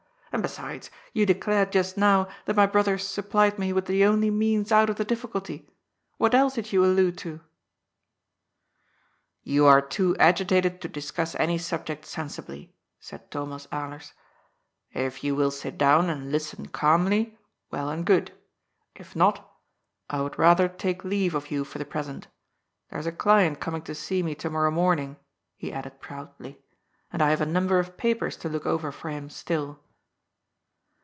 And, besides, you declared just now that my brother supplied me with the only means out of the difficulty. What else did you allude to?" ^' You are too agitated to discuss any subject sensibly," said Thomas Alers. '* If you will sit down, and listen calm ly, well and good. If not, I would rather take leave of you for the present There's a client coming to see me to mor row morning," he added proudly, " and I have a number of papers to look over for him still."